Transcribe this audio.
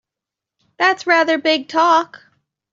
That's rather big talk!